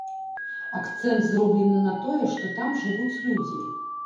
Акцэнт зроблены на тое, што там жывуць людзі.